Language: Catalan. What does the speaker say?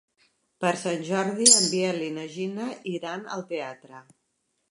Per Sant Jordi en Biel i na Gina iran al teatre.